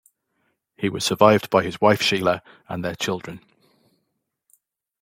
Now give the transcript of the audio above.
He was survived by his wife Sheila and their children.